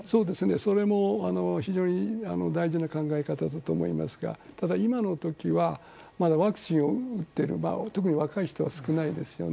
それは非常に大事な考え方だと思いますがただ、今はワクチンを打っている特に若い人は少ないですよね。